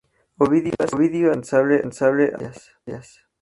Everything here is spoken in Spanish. Ovidio hace responsable a la Furias.